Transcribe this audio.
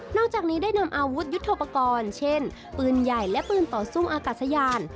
จากนี้ได้นำอาวุธยุทธโปรกรณ์เช่นปืนใหญ่และปืนต่อสู้อากาศยาน